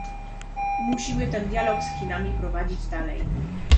Musimy ten dialog z Chinami prowadzić dalej